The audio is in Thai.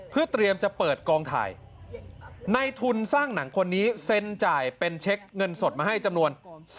เพื่อเตรียมจะเปิดกองถ่ายในทุนสร้างหนังคนนี้เซ็นจ่ายเป็นเช็คเงินสดมาให้จำนวน